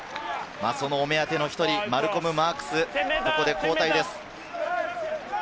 お目当ての一人、マルコム・マークス、ここで交代です。